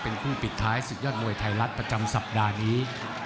เป็นคู่ปิดท้ายศึกยอดมวยไทยรัฐประจำสัปดาห์นี้